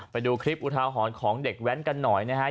ไปดูคลิปอุทาหรณ์ของเด็กแว้นกันหน่อยนะฮะ